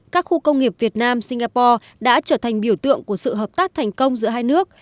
các khu công nghiệp việt nam singapore đã trở thành biểu tượng của sự hợp tác thành công giữa hai nước